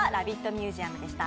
ミュージアムでした。